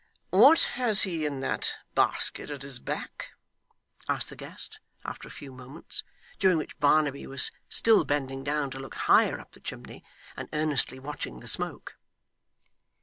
'What has he in that basket at his back?' asked the guest after a few moments, during which Barnaby was still bending down to look higher up the chimney, and earnestly watching the smoke.